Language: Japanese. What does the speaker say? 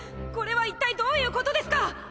これは一体どういうことですか！？